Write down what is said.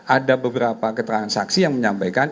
ada beberapa keterangan saksi yang menyampaikan